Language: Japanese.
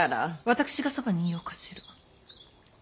私がそばにいようかしら。